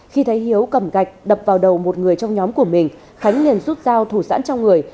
khi thấy hiếu cầm gạch đập vào đầu một người trong nhóm của mình khánh liền rút dao thủ sẵn trong người